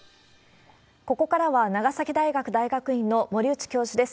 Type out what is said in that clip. ここからは長崎大学大学院の森内教授です。